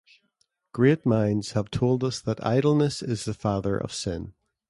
Great minds have told us that idleness is the father of sin.